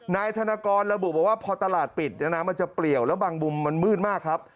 นายธนกรระบุบอกว่าพอตลาดปิดเนี่ยน้ำมันจะเปลี่ยวแล้วบางมุมมันมืดมากครับ